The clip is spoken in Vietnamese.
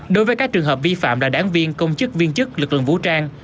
đối với các trường hợp vi phạm là đáng viên công chức viên chức lực lượng vũ trang